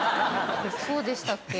そうでしたっけ？